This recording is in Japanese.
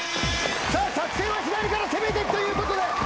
作戦は左から攻めていくということで。